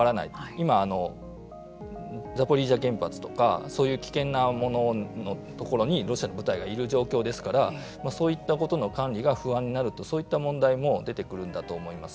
今、ザポリージャ原発とかそういう危険なもののところにロシアの部隊がいる状況ですからそういったことの管理が不安になるとそういった問題も出てくるんだと思います。